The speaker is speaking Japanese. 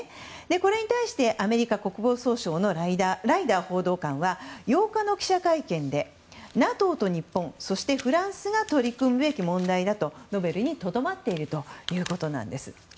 これに対してアメリカ国防総省のライダー報道官は８日の記者会見でＮＡＴＯと日本そしてフランスが取り組むべき問題だと述べるにとどまっているということなんです。